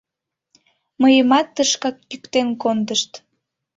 Мыйымат тышкак йӱктен кондышт.